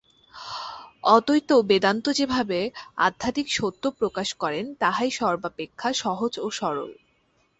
অদ্বৈত বেদান্ত যেভাবে আধ্যাত্মিক সত্য প্রকাশ করেন, তাহাই সর্বাপেক্ষা সহজ ও সরল।